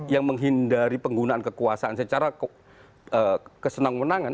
yang menghindari penggunaan kekuasaan secara kesenang kenangan